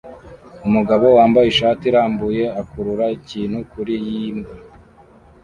Umugabo wambaye ishati irambuye akurura ikintu kure yimbwa